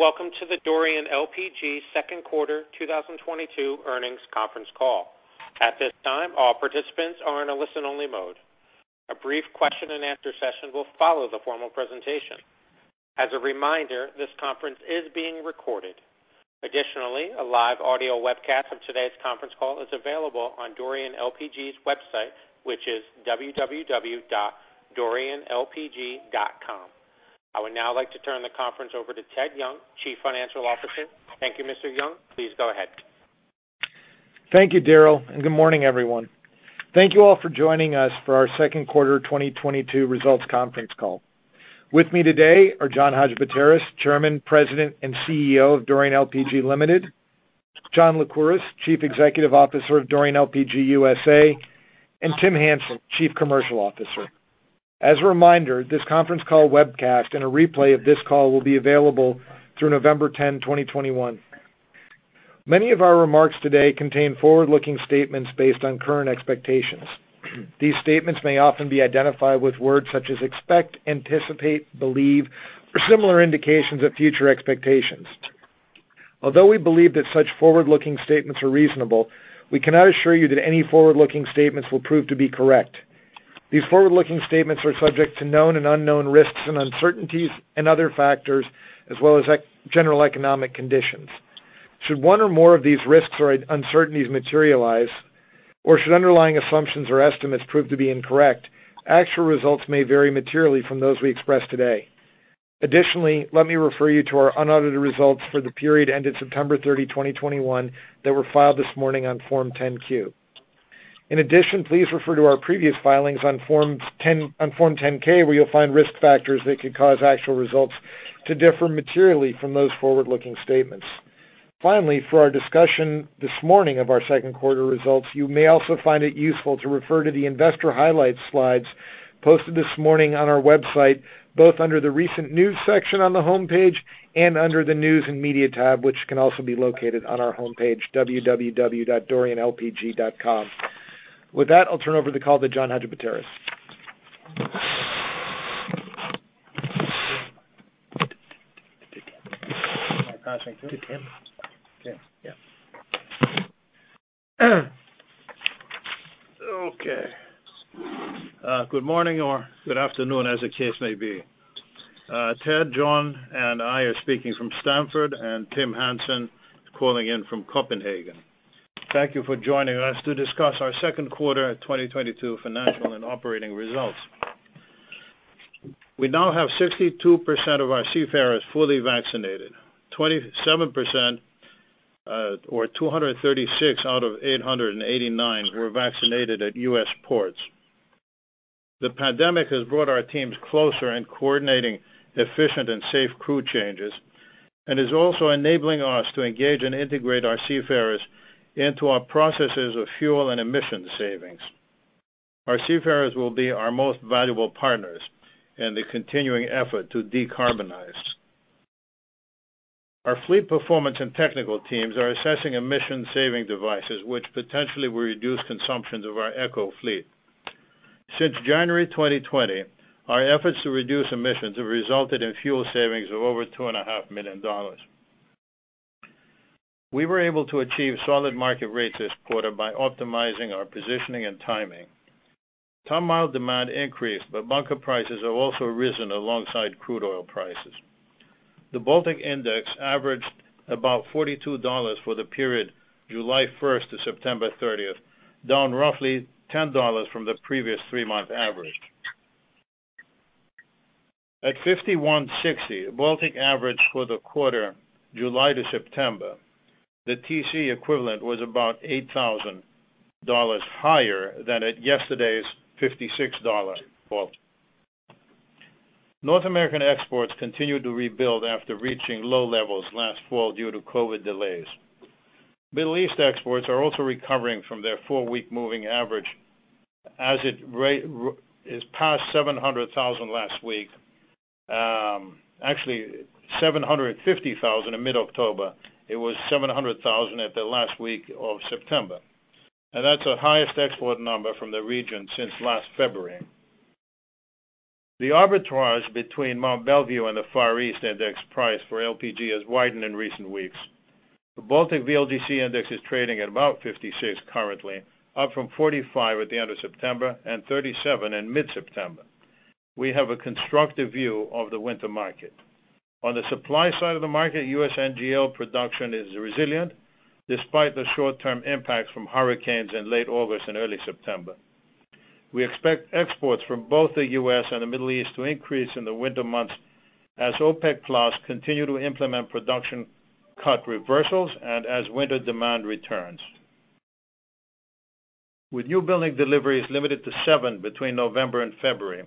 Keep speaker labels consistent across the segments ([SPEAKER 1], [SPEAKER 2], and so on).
[SPEAKER 1] Greetings, and welcome to the Dorian LPG second quarter 2022 earnings conference call. At this time, all participants are in a listen-only mode. A brief question and answer session will follow the formal presentation. As a reminder, this conference is being recorded. Additionally, a live audio webcast of today's conference call is available on Dorian LPG's website, which is www.dorianlpg.com. I would now like to turn the conference over to Ted Young, Chief Financial Officer. Thank you, Mr. Young. Please go ahead.
[SPEAKER 2] Thank you, Daryl, and good morning, everyone. Thank you all for joining us for our second quarter 2022 results conference call. With me today are John Hadjipateras, Chairman, President, and CEO of Dorian LPG Limited, John Lycouris, Chief Executive Officer of Dorian LPG (USA) LLC, and Tim Hansen, Chief Commercial Officer. As a reminder, this conference call webcast and a replay of this call will be available through November 10, 2021. Many of our remarks today contain forward-looking statements based on current expectations. These statements may often be identified with words such as expect, anticipate, believe, or similar indications of future expectations. Although we believe that such forward-looking statements are reasonable, we cannot assure you that any forward-looking statements will prove to be correct. These forward-looking statements are subject to known and unknown risks and uncertainties and other factors as well as general economic conditions. Should one or more of these risks or uncertainties materialize, or should underlying assumptions or estimates prove to be incorrect, actual results may vary materially from those we express today. Additionally, let me refer you to our unaudited results for the period ended September 30, 2021 that were filed this morning on Form 10-Q. In addition, please refer to our previous filings on Form 10-K, where you'll find risk factors that could cause actual results to differ materially from those forward-looking statements. Finally, for our discussion this morning of our second quarter results, you may also find it useful to refer to the investor highlights slides posted this morning on our website, both under the Recent News section on the homepage and under the News and Media tab, which can also be located on our homepage, www.dorianlpg.com. With that, I'll turn over the call to John Hadjipateras.
[SPEAKER 3] Passing to Tim.
[SPEAKER 2] To Tim.
[SPEAKER 3] Tim.
[SPEAKER 2] Yeah.
[SPEAKER 3] Okay. Good morning or good afternoon, as the case may be. Ted, John, and I are speaking from Stamford, and Tim Hansen is calling in from Copenhagen. Thank you for joining us to discuss our second quarter 2022 financial and operating results. We now have 62% of our seafarers fully vaccinated. 27%, or 236 out of 889 were vaccinated at U.S. ports. The pandemic has brought our teams closer in coordinating efficient and safe crew changes, and is also enabling us to engage and integrate our seafarers into our processes of fuel and emission savings. Our seafarers will be our most valuable partners in the continuing effort to decarbonize. Our fleet performance and technical teams are assessing emission saving devices which potentially will reduce consumptions of our eco fleet. Since January 2020, our efforts to reduce emissions have resulted in fuel savings of over $2.5 million. We were able to achieve solid market rates this quarter by optimizing our positioning and timing. Ton mile demand increased, but bunker prices have also risen alongside crude oil prices. The Baltic Index averaged about $42 for the period July 1st to September 30th, down roughly $10 from the previous three-month average. At $51.60, the Baltic average for the quarter July to September, the TC equivalent was about $8,000 higher than at yesterday's $56 Baltic. North American exports continued to rebuild after reaching low levels last fall due to COVID delays. Middle East exports are also recovering from their four-week moving average as it is past 700,000 last week. Actually, 750,000 in mid-October. It was 700,000 at the last week of September. That's the highest export number from the region since last February. The arbitrage between Mont Belvieu and the Far East Index price for LPG has widened in recent weeks. The Baltic VLGC Index is trading at about $56 currently, up from $45 at the end of September and $37 in mid-September. We have a constructive view of the winter market. On the supply side of the market, U.S. NGL production is resilient despite the short-term impacts from hurricanes in late August and early September. We expect exports from both the U.S. and the Middle East to increase in the winter months as OPEC+ continue to implement production cut reversals and as winter demand returns. With newbuilding deliveries limited to seven between November and February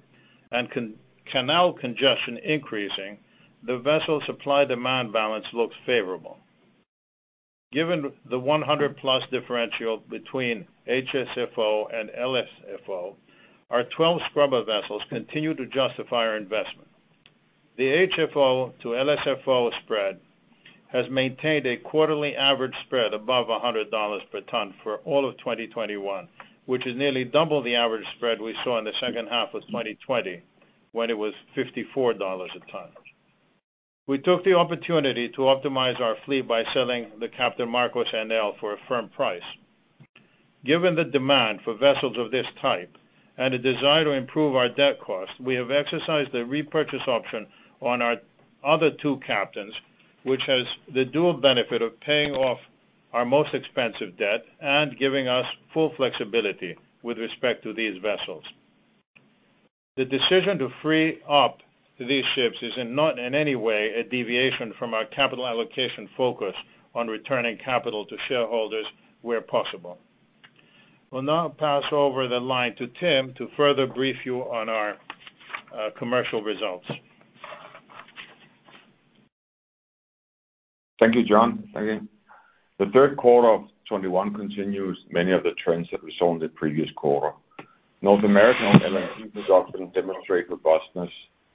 [SPEAKER 3] and canal congestion increasing, the vessel supply-demand balance looks favorable. Given the 100+ differential between HSFO and LSFO, our 12 scrubber vessels continue to justify our investment. The HFO to LSFO spread has maintained a quarterly average spread above $100 per ton for all of 2021, which is nearly double the average spread we saw in the second half of 2020, when it was $54 a ton. We took the opportunity to optimize our fleet by selling the Captain Markos NL for a firm price. Given the demand for vessels of this type and a desire to improve our debt cost, we have exercised a repurchase option on our other two captains, which has the dual benefit of paying off our most expensive debt and giving us full flexibility with respect to these vessels. The decision to free up these ships is not in any way a deviation from our capital allocation focus on returning capital to shareholders where possible. I will now pass over the line to Tim to further brief you on our commercial results.
[SPEAKER 4] Thank you, John. Again. The third quarter of 2021 continues many of the trends that we saw in the previous quarter. North American NGL production demonstrate robustness.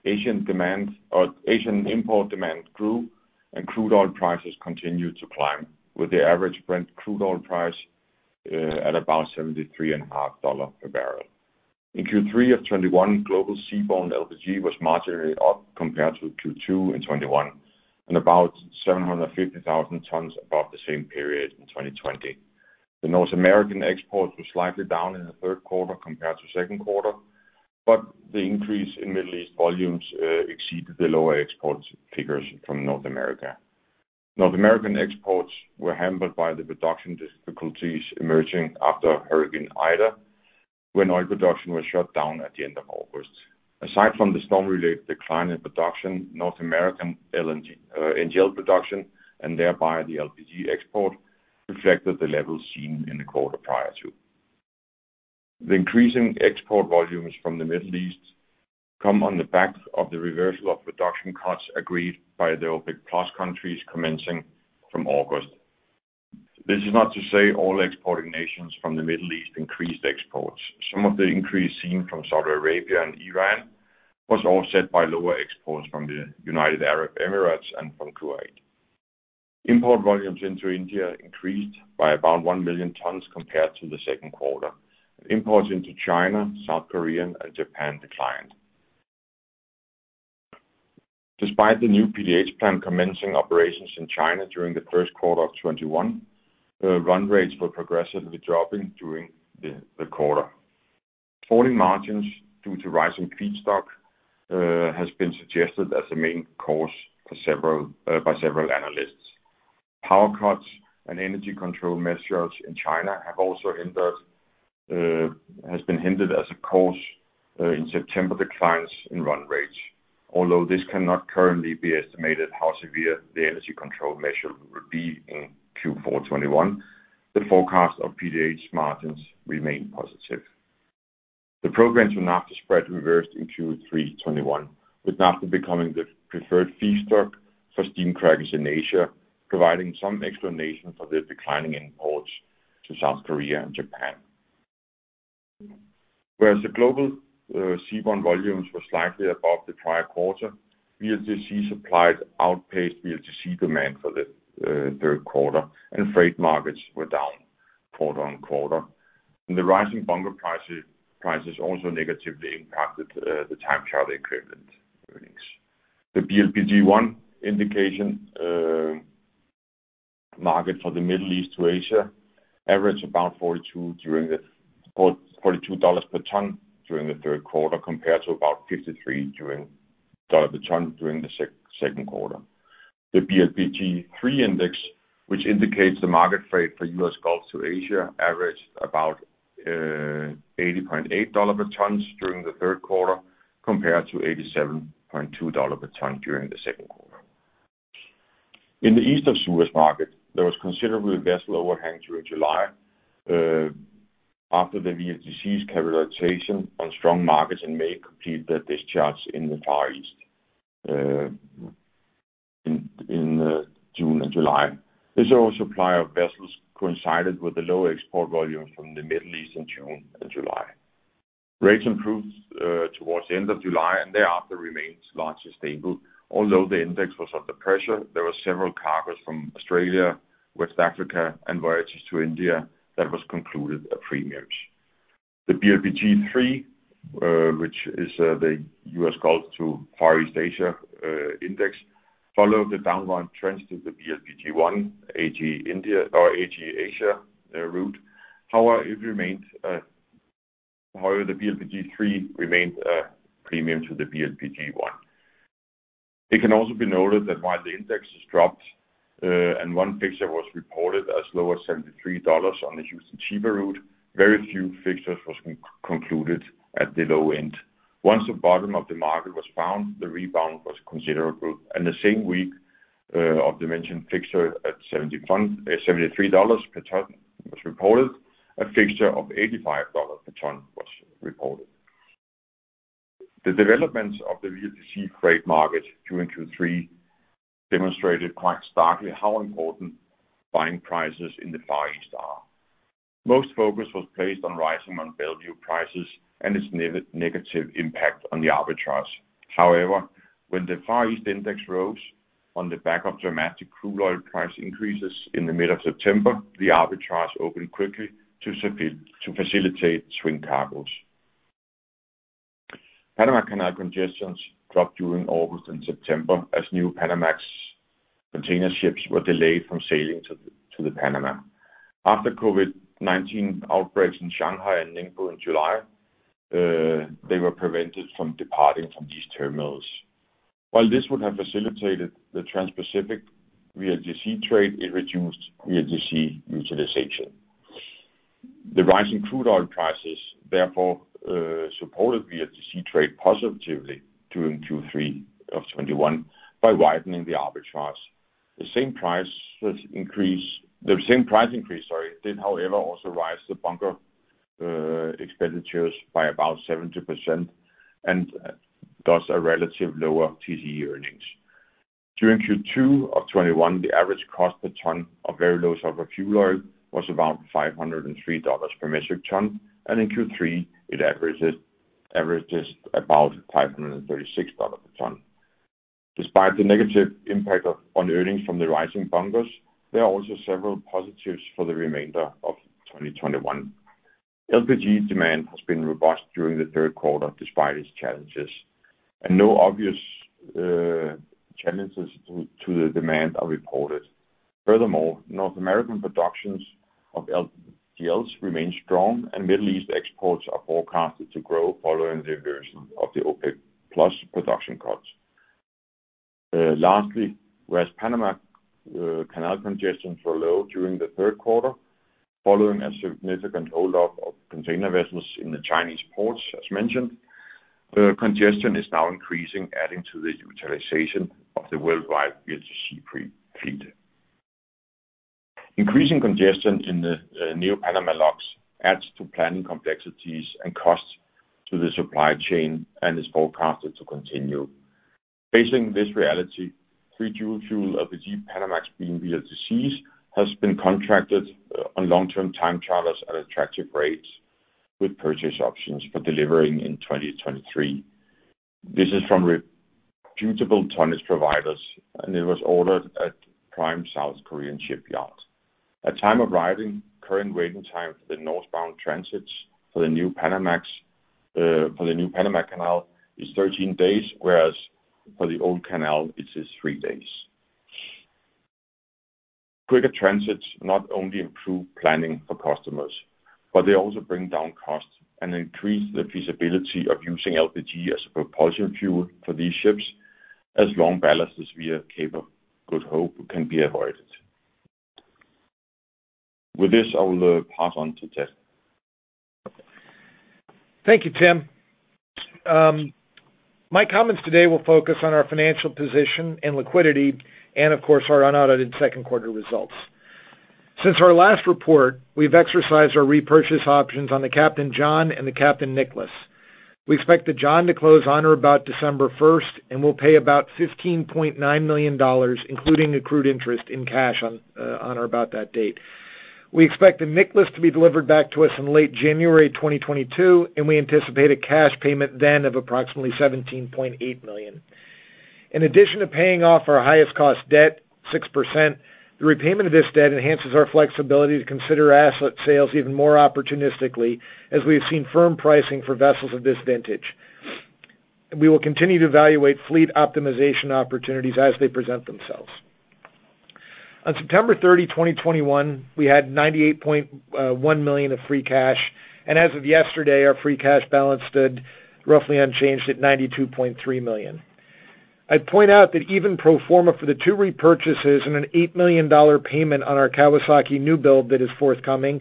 [SPEAKER 4] Asian demand or Asian import demand grew, and crude oil prices continued to climb, with the average Brent crude oil price at about $73.50 per barrel. In Q3 of 2021, global seaborne LPG was marginally up compared to Q2 in 2021, and about 750,000 tons above the same period in 2020. The North American exports were slightly down in the third quarter compared to second quarter, but the increase in Middle East volumes exceeded the lower export figures from North America. North American exports were hampered by the production difficulties emerging after Hurricane Ida, when oil production was shut down at the end of August. Aside from the storm-related decline in production, North American NGL production, and thereby the LPG export, reflected the levels seen in the quarter prior to. The increasing export volumes from the Middle East come on the back of the reversal of production cuts agreed by the OPEC+ countries commencing from August. This is not to say all exporting nations from the Middle East increased exports. Some of the increase seen from Saudi Arabia and Iran was offset by lower exports from the United Arab Emirates and from Kuwait. Import volumes into India increased by about 1 million tons compared to the second quarter. Imports into China, South Korea, and Japan declined. Despite the new PDH plant commencing operations in China during the first quarter of 2021, run rates were progressively dropping during the quarter. Falling margins due to rising feedstock has been suggested as the main cause by several analysts. Power cuts and energy control measures in China have also been suggested as a cause for the September declines in run rates. Although this cannot currently be estimated how severe the energy control measure will be in Q4 2021, the forecast of PDH margins remain positive. The propane to naphtha spread reversed in Q3 2021, with naphtha becoming the preferred feedstock for steam crackers in Asia, providing some explanation for the declining imports to South Korea and Japan. Whereas the global seaborne volumes were slightly above the prior quarter, VLGC supplies outpaced VLGC demand for the third quarter, and freight markets were down quarter-on-quarter. The rising bunker prices also negatively impacted the time charter equivalent earnings. The BLPG1 indication, market for the Middle East to Asia averaged about $42 per ton during the third quarter, compared to about $53 per ton during the second quarter. The BLPG3 index, which indicates the market freight for U.S. Gulf to Asia, averaged about $80.8 per ton during the third quarter, compared to $87.2 per ton during the second quarter. In the East of Suez market, there was considerable vessel overhang during July, after the VLGCs chartering on strong markets in May completed their discharge in the Far East, in June and July. This oversupply of vessels coincided with the lower export volume from the Middle East in June and July. Rates improved towards the end of July, and thereafter remains largely stable. Although the index was under pressure, there were several cargoes from Australia, West Africa, and voyages to India that was concluded at premiums. The BLPG3, which is, the U.S. Gulf to Far East Asia, index, followed the downward trends to the BLPG1, AG India or AG Asia, route. However, it remained. However, the BLPG3 remained a premium to the BLPG1. It can also be noted that while the indexes dropped, and one fixture was reported as low as $73 on the Houston Chiba route, very few fixtures was concluded at the low end. Once the bottom of the market was found, the rebound was considerable, and the same week of the mentioned fixture at $73 per ton was reported, a fixture of $85 per ton was reported. The developments of the VLGC freight market during Q3 demonstrated quite starkly how important buying prices in the Far East are. Most focus was placed on rising Mont Belvieu prices and its negative impact on the arbitrage. However, when the Far East Index rose on the back of dramatic crude oil price increases in the mid of September, the arbitrage opened quickly to facilitate swing cargoes. Panama Canal congestions dropped during August and September as new Neopanamax container ships were delayed from sailing to the Panama. After COVID-19 outbreaks in Shanghai and Ningbo in July, they were prevented from departing from these terminals. While this would have facilitated the Transpacific VLGC trade, it reduced VLGC utilization. The rising crude oil prices therefore supported VLGC trade positively during Q3 of 2021 by widening the arbitrage. The same price increase did however also rise the bunkers expenditures by about 70% and thus a relative lower TCE earnings. During Q2 of 2021, the average cost per ton of very low sulfur fuel oil was about $503 per metric ton, and in Q3 it averages about $536 per ton. Despite the negative impact on earnings from the rising bunkers, there are also several positives for the remainder of 2021. LPG demand has been robust during the third quarter despite its challenges, and no obvious challenges to the demand are reported. Furthermore, North American production of NGLs remains strong, and Middle East exports are forecasted to grow following the inversion of the OPEC+ production cuts. Lastly, whereas Panama Canal congestions were low during the third quarter, following a significant hold up of container vessels in the Chinese ports, as mentioned, the congestion is now increasing, adding to the utilization of the worldwide VLGC fleet. Increasing congestion in the new Panama locks adds to planning complexities and costs to the supply chain and is forecasted to continue. Facing this reality, three dual-fuel LPG Neopanamax being VLGCs has been contracted on long-term time charters at attractive rates with purchase options for delivering in 2023. This is from reputable tonnage providers, and it was ordered at a prime South Korean shipyard. At time of writing, current waiting time for the northbound transits for the new Neopanamax for the new Panama Canal is 13 days, whereas for the old canal, it is three days. Quicker transits not only improve planning for customers, but they also bring down costs and increase the feasibility of using LPG as a propulsion fuel for these ships as long ballasts via Cape of Good Hope can be avoided. With this, I will pass on to Ted.
[SPEAKER 2] Thank you, Tim. My comments today will focus on our financial position and liquidity and of course, our unaudited second quarter results. Since our last report, we've exercised our repurchase options on the Captain John and the Captain Nicholas. We expect the John to close on or about December 1st, and we'll pay about $15.9 million, including accrued interest in cash on or about that date. We expect the Nicholas to be delivered back to us in late January 2022, and we anticipate a cash payment then of approximately $17.8 million. In addition to paying off our highest cost debt, 6%, the repayment of this debt enhances our flexibility to consider asset sales even more opportunistically as we have seen firm pricing for vessels of this vintage. We will continue to evaluate fleet optimization opportunities as they present themselves. On September 30, 2021, we had $98.1 million of free cash, and as of yesterday, our free cash balance stood roughly unchanged at $92.3 million. I'd point out that even pro forma for the two repurchases and an $8 million dollar payment on our Kawasaki new build that is forthcoming,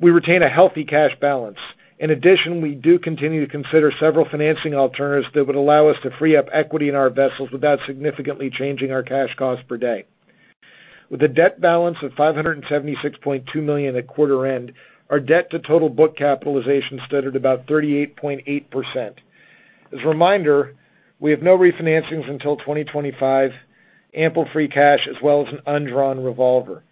[SPEAKER 2] we retain a healthy cash balance. In addition, we do continue to consider several financing alternatives that would allow us to free up equity in our vessels without significantly changing our cash cost per day. With a debt balance of $576.2 million at quarter end, our debt to total book capitalization stood at about 38.8%. As a reminder, we have no refinancings until 2025, ample free cash, as well as an undrawn revolver.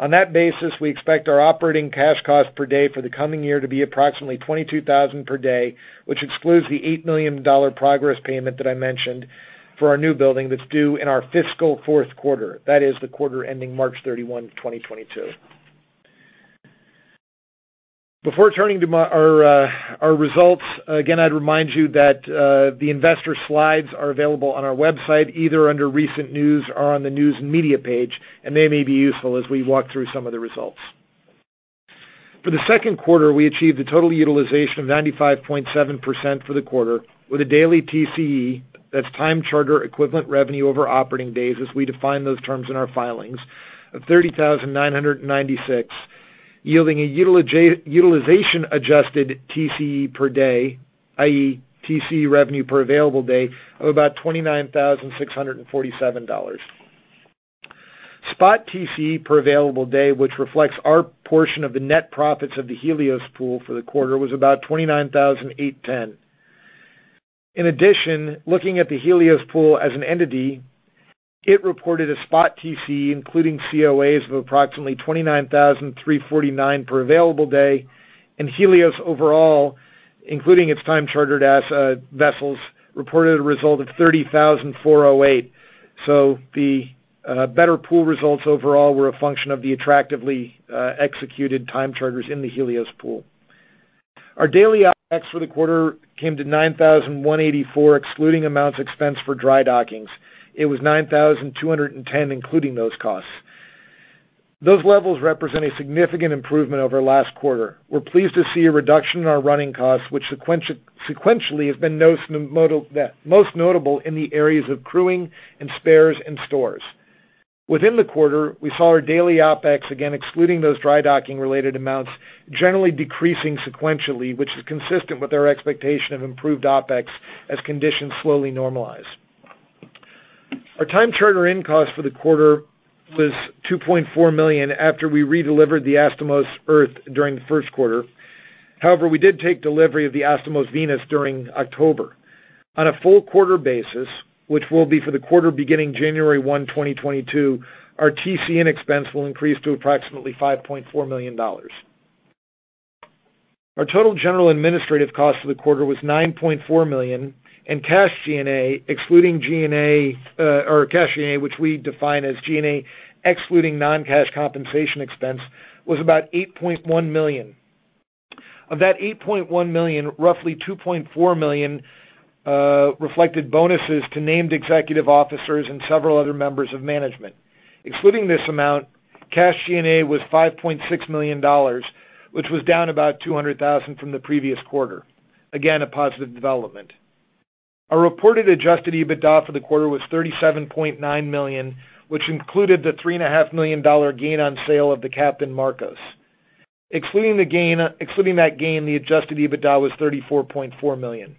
[SPEAKER 2] On that basis, we expect our operating cash cost per day for the coming year to be approximately $22,000 per day, which excludes the $8 million progress payment that I mentioned for our new building that's due in our fiscal fourth quarter. That is the quarter ending March 31, 2022. Before turning to our results, again, I'd remind you that the investor slides are available on our website, either under recent news or on the news and media page, and they may be useful as we walk through some of the results. For the second quarter, we achieved a total utilization of 95.7% for the quarter with a daily TCE, that's Time Charter Equivalent revenue over operating days as we define those terms in our filings, of 30,996, yielding a utilization adjusted TCE per day, i.e. TCE revenue per available day of about $29,647. Spot TCE per available day, which reflects our portion of the net profits of the Helios pool for the quarter, was about $29,810. In addition, looking at the Helios pool as an entity, it reported a spot TC, including COAs of approximately $29,349 per available day, and Helios overall, including its time chartered as vessels, reported a result of $30,408. The better pool results overall were a function of the attractively executed time charters in the Helios pool. Our daily OpEx for the quarter came to $9,184, excluding amounts expensed for dry dockings. It was $9,210, including those costs. Those levels represent a significant improvement over last quarter. We're pleased to see a reduction in our running costs, which sequentially have been most notable in the areas of crewing and spares and stores. Within the quarter, we saw our daily OpEx, again, excluding those dry docking related amounts, generally decreasing sequentially, which is consistent with our expectation of improved OpEx as conditions slowly normalize. Our time charter in cost for the quarter was $2.4 million after we redelivered the Astomos Earth during the first quarter. However, we did take delivery of the Astomos Venus during October. On a full quarter basis, which will be for the quarter beginning January 1, 2022, our TC-in expense will increase to approximately $5.4 million. Our total general and administrative cost for the quarter was $9.4 million, and cash G&A, which we define as G&A excluding non-cash compensation expense, was about $8.1 million. Of that $8.1 million, roughly $2.4 million reflected bonuses to named executive officers and several other members of management. Excluding this amount, cash G&A was $5.6 million, which was down about $200,000 from the previous quarter. Again, a positive development. Our reported adjusted EBITDA for the quarter was $37.9 million, which included the $3.5 million gain on sale of the Captain Markos. Excluding that gain, the adjusted EBITDA was $34.4 million.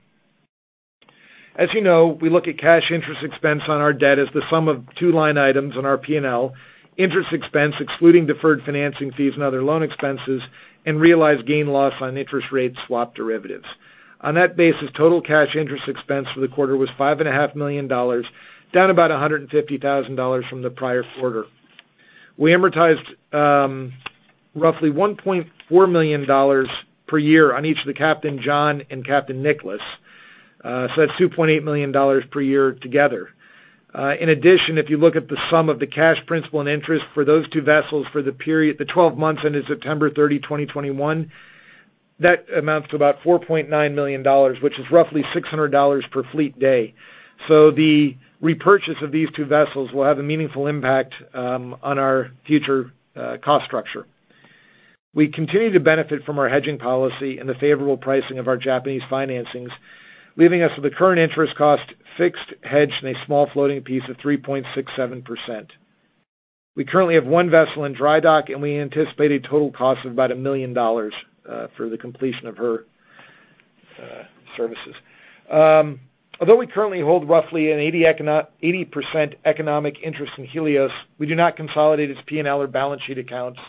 [SPEAKER 2] As you know, we look at cash interest expense on our debt as the sum of two line items on our P&L, interest expense excluding deferred financing fees and other loan expenses, and realized gain loss on interest rate swap derivatives. On that basis, total cash interest expense for the quarter was $5.5 million, down about $150,000 from the prior quarter. We amortized roughly $1.4 million per year on each of the Captain John and Captain Nicholas. So that's $2.8 million per year together. In addition, if you look at the sum of the cash principal and interest for those two vessels for the period, the 12 months into September 30, 2021, that amounts to about $4.9 million, which is roughly $600 per fleet day. The repurchase of these two vessels will have a meaningful impact on our future cost structure. We continue to benefit from our hedging policy and the favorable pricing of our Japanese financings, leaving us with a current interest cost fixed hedge and a small floating piece of 3.67%. We currently have one vessel in dry dock, and we anticipate a total cost of about $1 million for the completion of her services. Although we currently hold roughly an 80% economic interest in Helios, we do not consolidate its P&L or balance sheet accounts,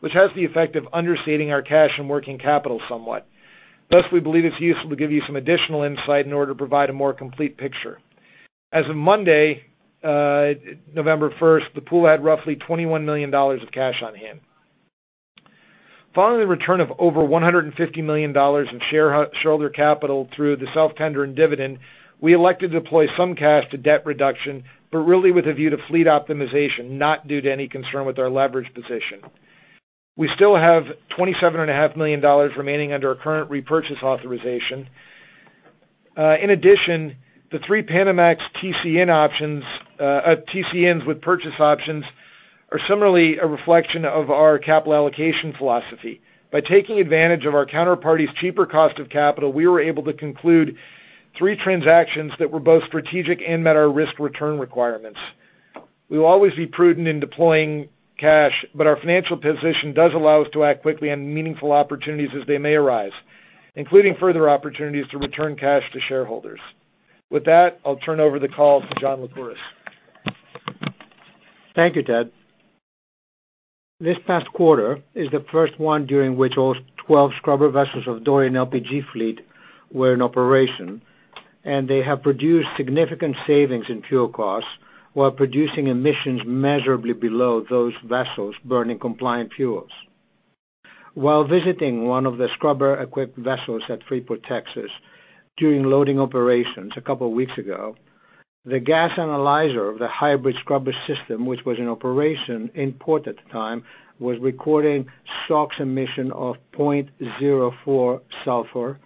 [SPEAKER 2] which has the effect of understating our cash and working capital somewhat. Plus, we believe it's useful to give you some additional insight in order to provide a more complete picture. As of Monday, November 1st, the pool had roughly $21 million of cash on hand. Following the return of over $150 million of shareholder capital through the self-tender and dividend, we elected to deploy some cash to debt reduction, but really with a view to fleet optimization, not due to any concern with our leverage position. We still have $27.5 million remaining under our current repurchase authorization. In addition, the three Panamax TC-in options, TC-ins with purchase options are similarly a reflection of our capital allocation philosophy. By taking advantage of our counterparties cheaper cost of capital, we were able to conclude three transactions that were both strategic and met our risk return requirements. We will always be prudent in deploying cash, but our financial position does allow us to act quickly on meaningful opportunities as they may arise, including further opportunities to return cash to shareholders. With that, I'll turn over the call to John Lycouris.
[SPEAKER 5] Thank you, Ted. This past quarter is the first one during which all 12 scrubber vessels of Dorian LPG fleet were in operation, and they have produced significant savings in fuel costs while producing emissions measurably below those vessels burning compliant fuels. While visiting one of the scrubber-equipped vessels at Freeport, Texas, during loading operations a couple weeks ago, the gas analyzer of the hybrid scrubber system, which was in operation in port at the time, was recording SOx emission of 0.04% sulfur,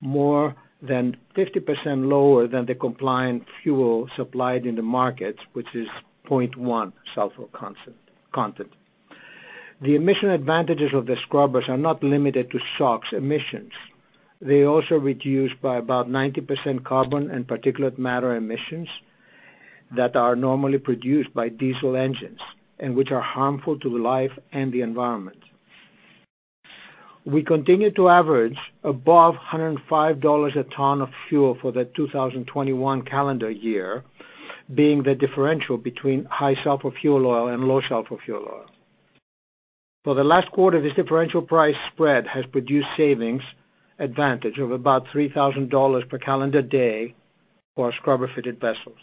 [SPEAKER 5] more than 50% lower than the compliant fuel supplied in the markets, which is 0.1% sulfur content. The emission advantages of the scrubbers are not limited to SOx emissions. They also reduce by about 90% carbon and particulate matter emissions that are normally produced by diesel engines and which are harmful to the life and the environment. We continue to average above $105 a ton of fuel for the 2021 calendar year, being the differential between high sulfur fuel oil and low sulfur fuel oil. For the last quarter, this differential price spread has produced savings advantage of about $3,000 per calendar day for our scrubber-fitted vessels.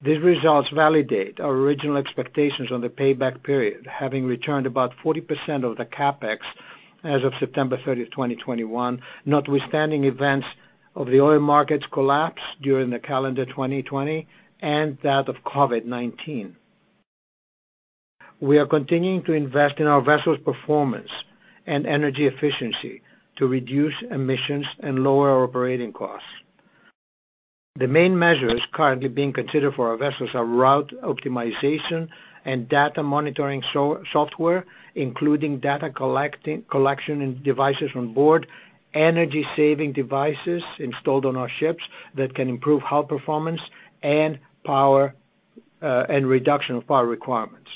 [SPEAKER 5] These results validate our original expectations on the payback period, having returned about 40% of the CapEx as of September 30, 2021, notwithstanding events of the oil markets collapse during the calendar 2020 and that of COVID-19. We are continuing to invest in our vessels' performance and energy efficiency to reduce emissions and lower operating costs. The main measures currently being considered for our vessels are route optimization and data monitoring software, including data collection and devices on board, energy-saving devices installed on our ships that can improve hull performance and power, and reduction of power requirements.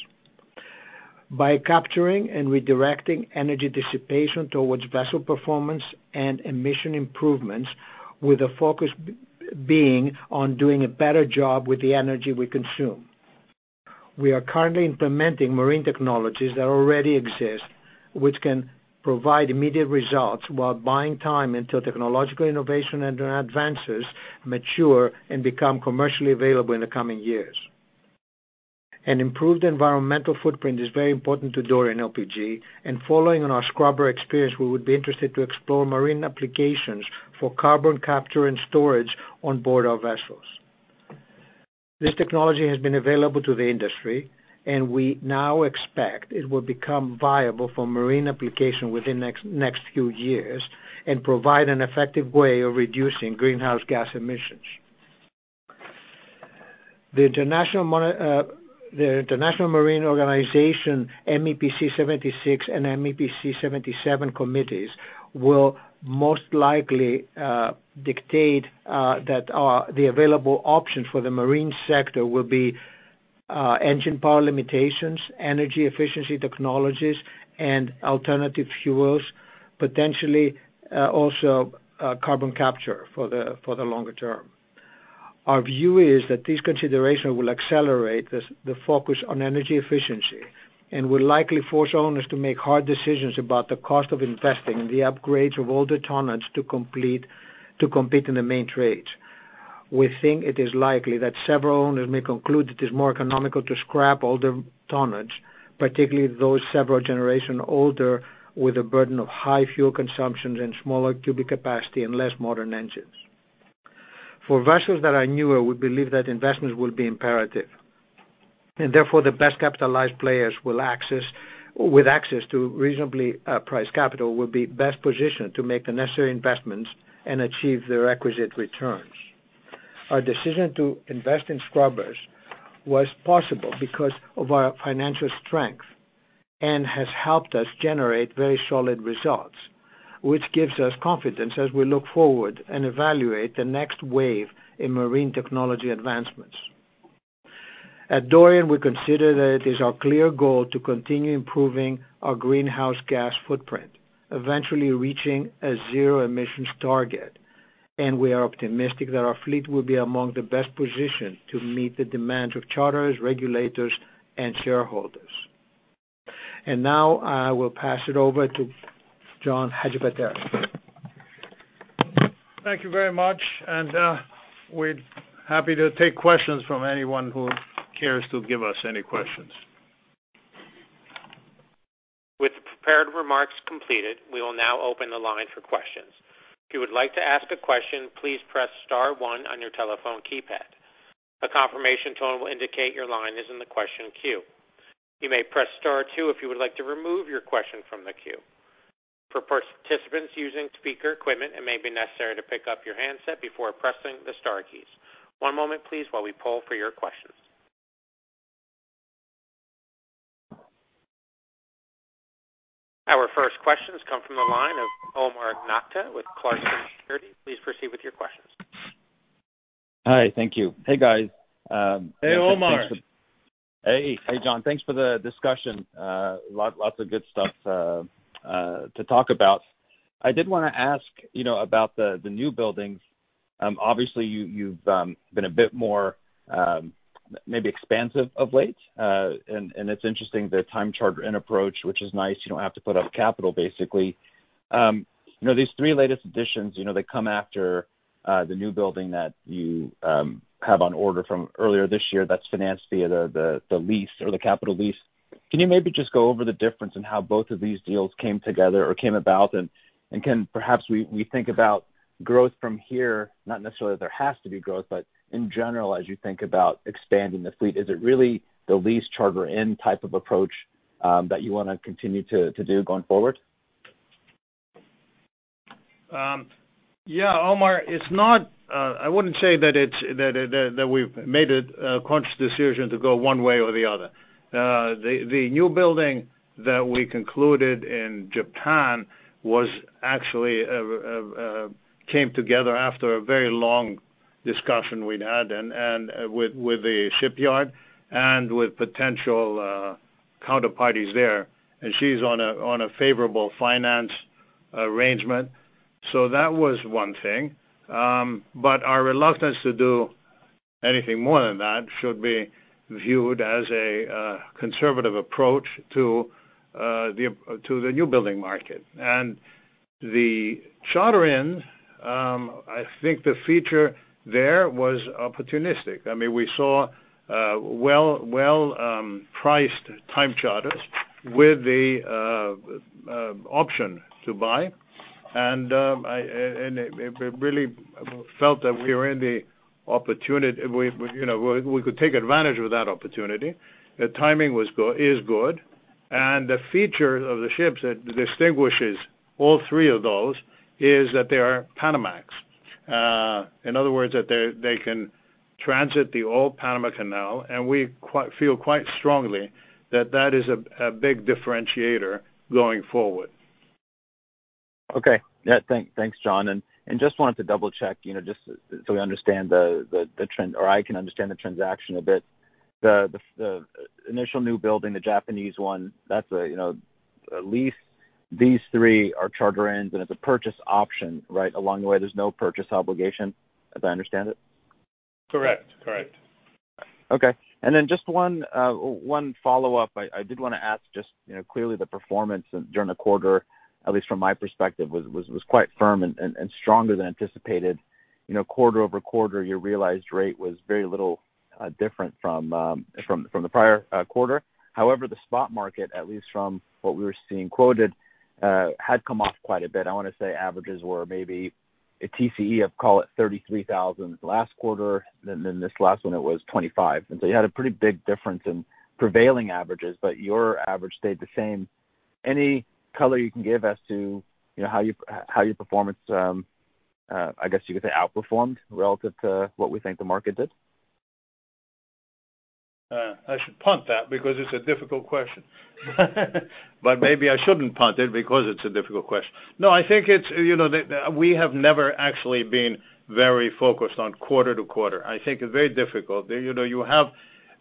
[SPEAKER 5] By capturing and redirecting energy dissipation towards vessel performance and emission improvements, with a focus being on doing a better job with the energy we consume. We are currently implementing marine technologies that already exist, which can provide immediate results while buying time until technological innovation and advances mature and become commercially available in the coming years. An improved environmental footprint is very important to Dorian LPG, and following on our scrubber experience, we would be interested to explore marine applications for carbon capture and storage on board our vessels. This technology has been available to the industry, and we now expect it will become viable for marine application within next few years and provide an effective way of reducing greenhouse gas emissions. The International Maritime Organization, MEPC 76 and MEPC 77 committees, will most likely dictate that the available options for the marine sector will be engine power limitations, energy efficiency technologies, and alternative fuels, potentially also carbon capture for the longer term. Our view is that this consideration will accelerate the focus on energy efficiency and will likely force owners to make hard decisions about the cost of investing in the upgrades of older tonnage to compete in the main trades. We think it is likely that several owners may conclude it is more economical to scrap older tonnage, particularly those several generation older, with a burden of high fuel consumptions and smaller cubic capacity and less modern engines. For vessels that are newer, we believe that investments will be imperative, and therefore, the best capitalized players with access to reasonably priced capital will be best positioned to make the necessary investments and achieve the requisite returns. Our decision to invest in scrubbers was possible because of our financial strength and has helped us generate very solid results, which gives us confidence as we look forward and evaluate the next wave in marine technology advancements. At Dorian, we consider that it is our clear goal to continue improving our greenhouse gas footprint, eventually reaching a zero emissions target, and we are optimistic that our fleet will be among the best positioned to meet the demands of charters, regulators, and shareholders. Now, I will pass it over to John Hadjipateras.
[SPEAKER 3] Thank you very much. We're happy to take questions from anyone who cares to give us any questions.
[SPEAKER 1] With the prepared remarks completed, we will now open the line for questions. If you would like to ask a question, please press star one on your telephone keypad. A confirmation tone will indicate your line is in the question queue. You may press star two if you would like to remove your question from the queue. For participants using speaker equipment, it may be necessary to pick up your handset before pressing the star keys. One moment please while we poll for your questions. Our first questions come from the line of Omar Nokta with Clarksons Securities. Please proceed with your questions.
[SPEAKER 6] Hi. Thank you. Hey, guys.
[SPEAKER 3] Hey, Omar.
[SPEAKER 6] Hey. Hey, John. Thanks for the discussion. Lots of good stuff to talk about. I did wanna ask, you know, about the new buildings. Obviously you've been a bit more maybe expansive of late. And it's interesting the time charter-in approach, which is nice, you don't have to put up capital basically. You know, these three latest additions, you know, they come after the new building that you have on order from earlier this year that's financed via the lease or the capital lease. Can you maybe just go over the difference in how both of these deals came together or came about? Can perhaps we think about growth from here, not necessarily there has to be growth, but in general, as you think about expanding the fleet, is it really the lease charter-in type of approach that you wanna continue to do going forward?
[SPEAKER 3] Yeah, Omar, it's not. I wouldn't say that it's that we've made a conscious decision to go one way or the other. The new building that we concluded in Japan came together after a very long discussion we'd had and with a shipyard and with potential counterparties there. She's on a favorable finance arrangement. That was one thing. Our reluctance to do anything more than that should be viewed as a conservative approach to the new building market. The charter in, I think the feature there was opportunistic. I mean, we saw well priced time charters with the option to buy. It really felt that we, you know, could take advantage of that opportunity. The timing is good. The feature of the ships that distinguishes all three of those is that they are Neopanamax. In other words, they can transit the old Panama Canal, and we feel quite strongly that that is a big differentiator going forward.
[SPEAKER 6] Okay. Yeah. Thanks, John. Just wanted to double-check, you know, just so we understand the trend or I can understand the transaction a bit. The initial new building, the Japanese one, that's a, you know, a lease. These three are charter-ins and it's a purchase option, right, along the way. There's no purchase obligation as I understand it.
[SPEAKER 3] Correct, correct.
[SPEAKER 6] Okay. Just one follow-up I did wanna ask, you know, clearly the performance during the quarter, at least from my perspective, was quite firm and stronger than anticipated. You know, quarter-over-quarter, your realized rate was very little different from the prior quarter. However, the spot market, at least from what we were seeing quoted, had come off quite a bit. I wanna say averages were maybe a TCE of call it $33,000 last quarter, then this last one it was $25,000. You had a pretty big difference in prevailing averages, but your average stayed the same. Any color you can give as to, you know, how your performance, I guess you could say, outperformed relative to what we think the market did?
[SPEAKER 3] I should punt that because it's a difficult question. Maybe I shouldn't punt it because it's a difficult question. No, I think it's you know the. We have never actually been very focused on quarter to quarter. I think it's very difficult. You know, you have.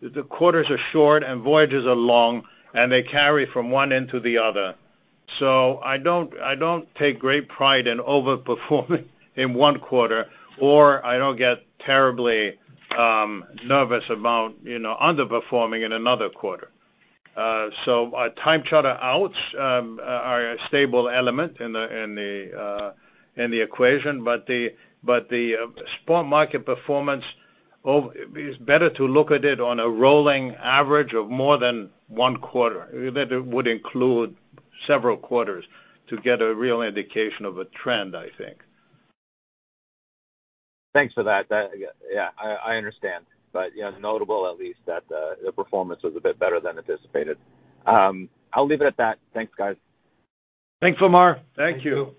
[SPEAKER 3] The quarters are short and voyages are long, and they carry from one end to the other. I don't take great pride in overperforming in one quarter, or I don't get terribly nervous about you know underperforming in another quarter. Our time charter outs are a stable element in the equation. The spot market performance. It's better to look at it on a rolling average of more than one quarter. That would include several quarters to get a real indication of a trend, I think.
[SPEAKER 6] Thanks for that. That, yeah, I understand. You know, notable at least that the performance was a bit better than anticipated. I'll leave it at that. Thanks, guys.
[SPEAKER 3] Thanks, Omar. Thank you.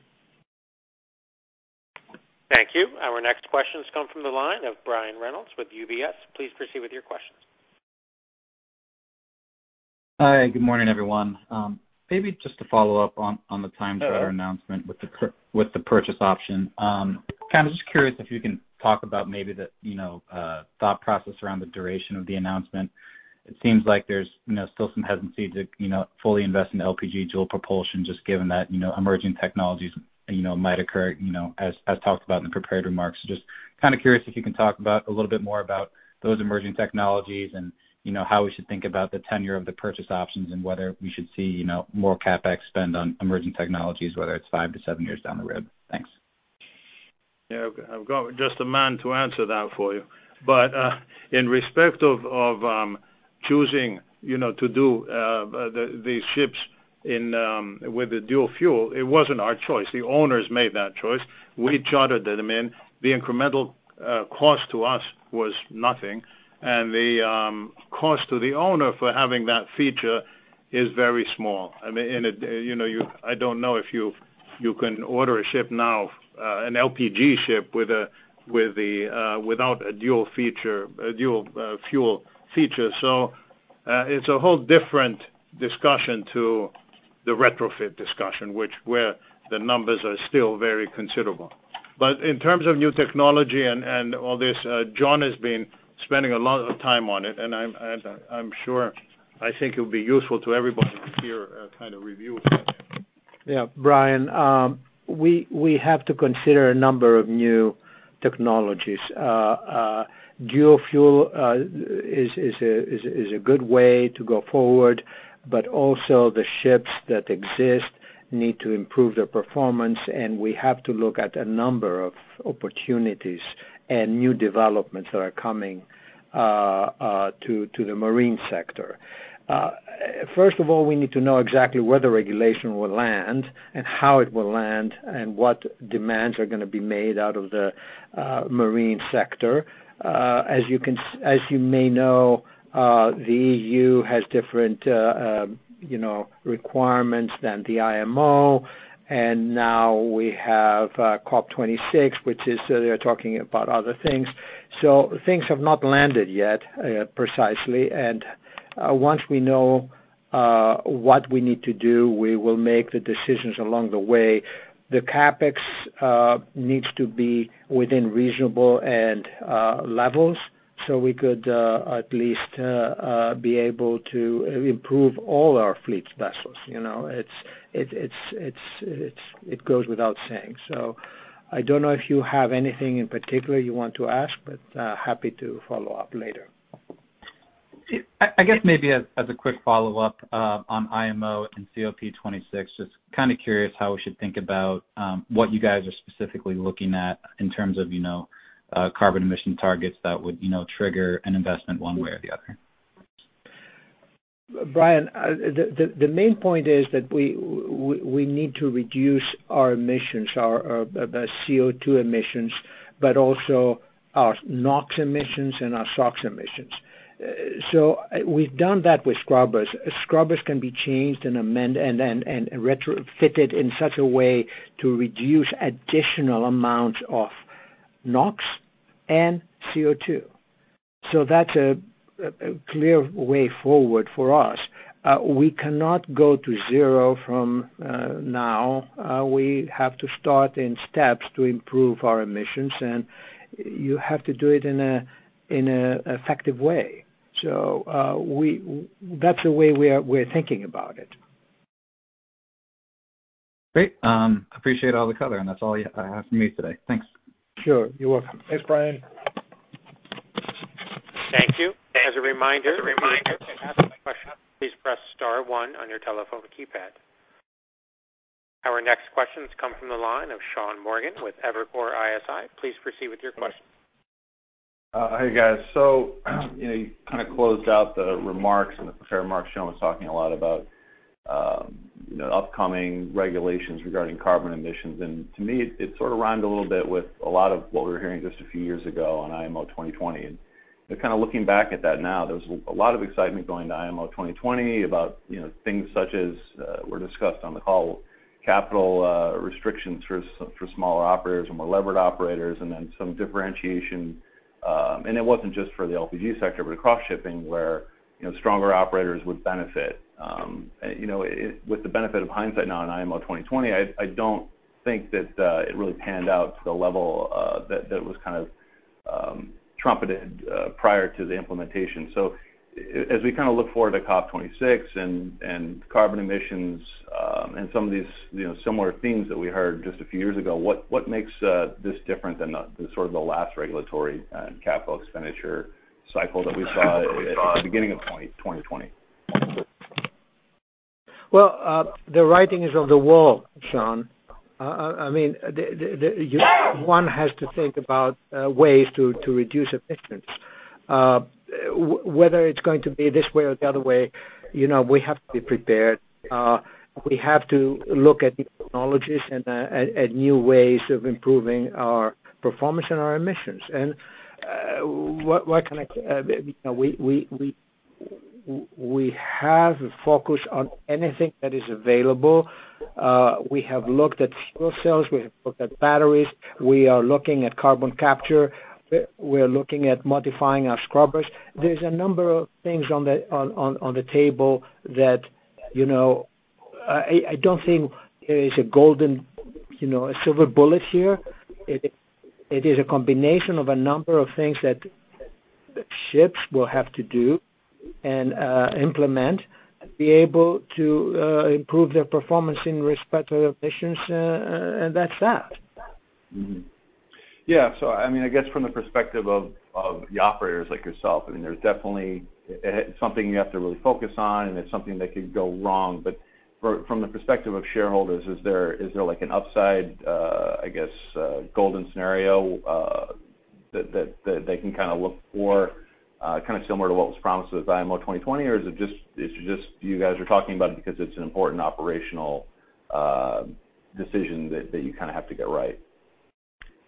[SPEAKER 1] Thank you. Our next question comes from the line of Brian Reynolds with UBS. Please proceed with your questions.
[SPEAKER 7] Hi, good morning, everyone. Maybe just to follow up on the time charter announcement with the purchase option. Kind of just curious if you can talk about the thought process around the duration of the announcement. It seems like there's still some hesitancy to fully invest in LPG dual propulsion just given that emerging technologies might occur as talked about in the prepared remarks. Just kind of curious if you can talk about a little bit more about those emerging technologies and how we should think about the tenure of the purchase options and whether we should see more CapEx spend on emerging technologies, whether it's five to seven years down the road. Thanks.
[SPEAKER 3] Yeah. I've got just the man to answer that for you. In respect of choosing, you know, to do these ships in with the dual fuel, it wasn't our choice. The owners made that choice. We chartered them in. The incremental cost to us was nothing. The cost to the owner for having that feature is very small. I mean, you know, I don't know if you can order a ship now, an LPG ship without a dual fuel feature. It's a whole different discussion to the retrofit discussion, where the numbers are still very considerable. In terms of new technology and all this, John has been spending a lot of time on it, and I'm sure I think it'll be useful to everybody to hear a kind of review of that.
[SPEAKER 5] Yeah, Brian. We have to consider a number of new technologies. Dual fuel is a good way to go forward, but also the ships that exist need to improve their performance, and we have to look at a number of opportunities and new developments that are coming to the marine sector. First of all, we need to know exactly where the regulation will land and how it will land and what demands are gonna be made out of the marine sector. As you may know, the EU has different requirements than the IMO, and now we have COP26, which is they are talking about other things. Things have not landed yet precisely. Once we know what we need to do, we will make the decisions along the way. The CapEx needs to be within reasonable levels so we could at least be able to improve all our fleet's vessels. You know, it goes without saying. I don't know if you have anything in particular you want to ask, but happy to follow up later.
[SPEAKER 7] I guess maybe as a quick follow-up on IMO and COP26, just kind of curious how we should think about what you guys are specifically looking at in terms of, you know, carbon emission targets that would, you know, trigger an investment one way or the other.
[SPEAKER 5] Brian, the main point is that we need to reduce our emissions, our CO2 emissions, but also our NOx emissions and our SOx emissions. We've done that with scrubbers. Scrubbers can be changed and retrofitted in such a way to reduce additional amounts of NOx and CO2. That's a clear way forward for us. We cannot go to zero from now. We have to start in steps to improve our emissions, and you have to do it in an effective way. That's the way we're thinking about it.
[SPEAKER 7] Great. I appreciate all the color, and that's all I have for you today. Thanks.
[SPEAKER 5] Sure. You're welcome.
[SPEAKER 3] Thanks, Brian.
[SPEAKER 1] Thank you. As a reminder to ask a question, please press star one on your telephone keypad. Our next question comes from the line of Sean Morgan with Evercore ISI. Please proceed with your question.
[SPEAKER 8] Hey, guys. You know, you kind of closed out the remarks, and Chair Hideki Nagasaka was talking a lot about, you know, upcoming regulations regarding carbon emissions. To me, it sort of rhymed a little bit with a lot of what we were hearing just a few years ago on IMO 2020. Kind of looking back at that now, there was a lot of excitement going to IMO 2020 about, you know, things such as were discussed on the call, capital restrictions for smaller operators or more levered operators, and then some differentiation. It wasn't just for the LPG sector, but across shipping where, you know, stronger operators would benefit. You know, it with the benefit of hindsight now on IMO 2020, I don't think that it really panned out to the level that was kind of trumpeted prior to the implementation. As we kind of look forward to COP26 and carbon emissions and some of these, you know, similar themes that we heard just a few years ago, what makes this different than the sort of the last regulatory and capital expenditure cycle that we saw at the beginning of 2020?
[SPEAKER 5] Well, the writing is on the wall, Sean. I mean, the-
[SPEAKER 8] Yeah.
[SPEAKER 5] One has to think about ways to reduce emissions. Whether it's going to be this way or the other way, you know, we have to be prepared. We have to look at new technologies and new ways of improving our performance and our emissions. You know, we have a focus on anything that is available. We have looked at fuel cells, we have looked at batteries, we are looking at carbon capture, we're looking at modifying our scrubbers. There's a number of things on the table that, you know, I don't think there is a golden, you know, a silver bullet here. It is a combination of a number of things that ships will have to do and implement and be able to improve their performance in respect to their emissions, and that's that.
[SPEAKER 8] I mean, I guess from the perspective of the operators like yourself, I mean, there's definitely something you have to really focus on, and it's something that could go wrong. But from the perspective of shareholders, is there like an upside, I guess, golden scenario that they can kind of look for, kind of similar to what was promised with IMO 2020? Or is it just you guys are talking about it because it's an important operational decision that you kind of have to get right?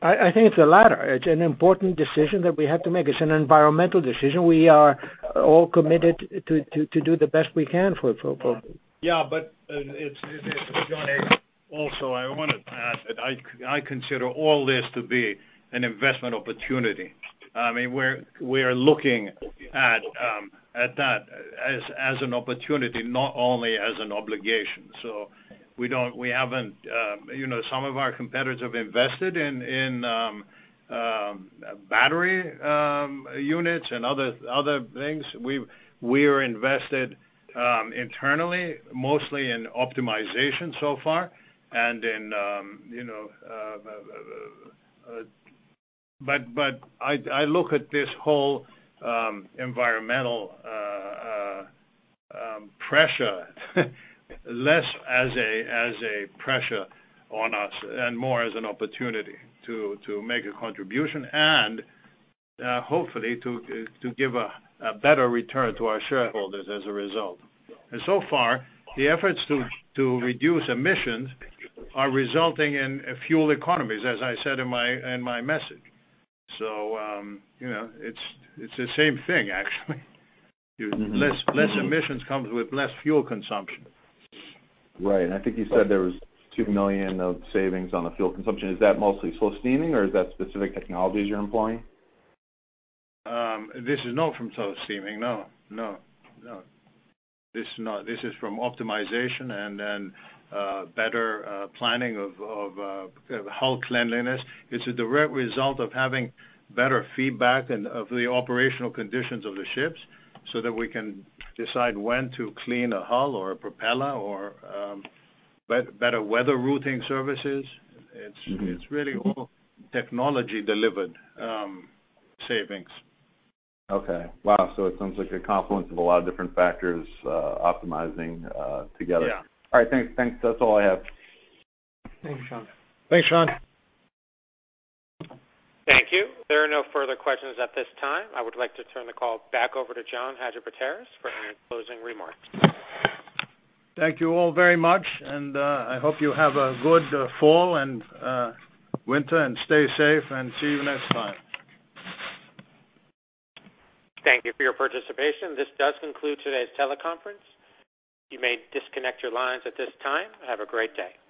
[SPEAKER 5] I think it's the latter. It's an important decision that we have to make. It's an environmental decision. We are all committed to do the best we can for
[SPEAKER 3] Yeah. It's, Sean, also, I wanted to add that I consider all this to be an investment opportunity. I mean, we are looking at that as an opportunity, not only as an obligation. We haven't. You know, some of our competitors have invested in battery units and other things. We're invested internally, mostly in optimization so far and in, you know, but I look at this whole environmental pressure less as a pressure on us and more as an opportunity to make a contribution and hopefully to give a better return to our shareholders as a result. So far, the efforts to reduce emissions are resulting in fuel economies, as I said in my message. You know, it's the same thing actually.
[SPEAKER 8] Mm-hmm.
[SPEAKER 3] Less emissions comes with less fuel consumption.
[SPEAKER 8] Right. I think you said there was $2 million of savings on the fuel consumption. Is that mostly slow steaming or is that specific technologies you're employing?
[SPEAKER 3] This is not from slow steaming. No. This is not. This is from optimization and then better planning of hull cleanliness. It's a direct result of having better feedback and of the operational conditions of the ships so that we can decide when to clean a hull or a propeller or better weather routing services.
[SPEAKER 8] Mm-hmm.
[SPEAKER 3] It's really all technology-delivered savings.
[SPEAKER 8] Okay. Wow. It sounds like a confluence of a lot of different factors optimizing together.
[SPEAKER 3] Yeah.
[SPEAKER 8] All right. Thanks. That's all I have.
[SPEAKER 5] Thanks, Sean.
[SPEAKER 3] Thanks, Sean.
[SPEAKER 1] Thank you. There are no further questions at this time. I would like to turn the call back over to John Hadjipateras for any closing remarks.
[SPEAKER 3] Thank you all very much, and I hope you have a good fall and winter, and stay safe and see you next time.
[SPEAKER 1] Thank you for your participation. This does conclude today's teleconference. You may disconnect your lines at this time. Have a great day.